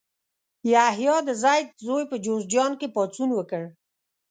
یحیی د زید زوی په جوزجان کې پاڅون وکړ.